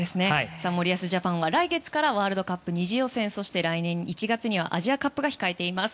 森保ジャパンは来月からワールドカップ２次予選そして来年１月にはアジアカップが控えています。